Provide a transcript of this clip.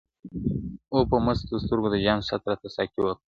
o نن په مستو سترګو د جام ست راته ساقي وکړ,